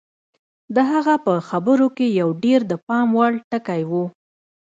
د هغه په خبرو کې یو ډېر د پام وړ ټکی و